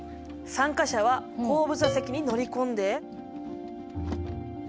参加者は後部座席に乗り込んで。